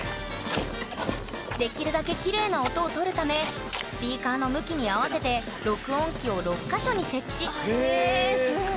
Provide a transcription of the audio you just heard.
できるだけきれいな音をとるためスピーカーの向きに合わせて録音機を６か所に設置へすごい。